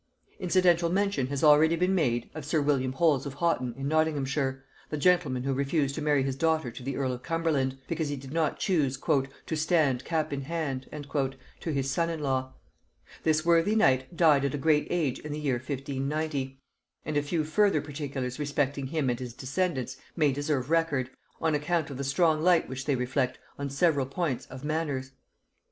Incidental mention has already been made of sir William Holles of Haughton in Nottinghamshire, the gentleman who refused to marry his daughter to the earl of Cumberland, because he did not choose "to stand cap in hand" to his son in law: this worthy knight died at a great age in the year 1590; and a few further particulars respecting him and his descendants may deserve record, on account of the strong light which they reflect on several points of manners.